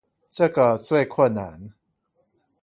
這個最困難